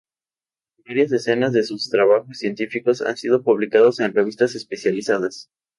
Varias decenas de sus trabajos científicos han sido publicados en revistas especializadas.